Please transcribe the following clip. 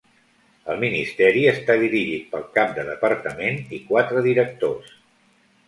El ministeri està dirigit pel cap de departament i quatre directors.